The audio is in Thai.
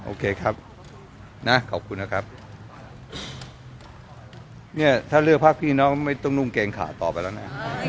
โอเคครับนะขอบคุณนะครับเนี่ยถ้าเลือกภาคพี่น้องไม่ต้องนุ่งเกงขาต่อไปแล้วนะ